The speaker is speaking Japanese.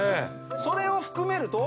それを含めると。